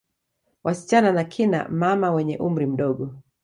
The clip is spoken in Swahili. Wasichana na kina mama wenye umri mdogo